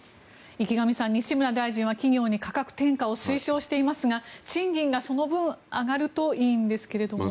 池上さん西村大臣は企業に価格転嫁を推奨していますが賃金がその分、上がるといいんですけれども。